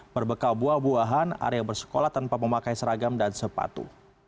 berbekal buah buahan arya bersekolah tanpa memakai seragam dan sepatu